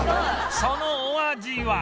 そのお味は